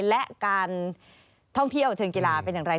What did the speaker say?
และการท่องเที่ยวเชิงกีฬาเป็นอย่างไร